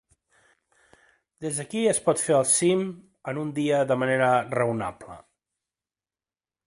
Des d'aquí, es pot fer el cim en un dia de manera raonable.